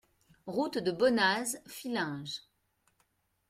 Route de Bonnaz, Fillinges